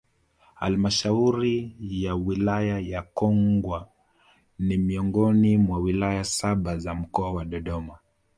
Halmashauriya Wilaya ya Kongwa ni miongoni mwa wilaya saba za mkoa wa Dodoma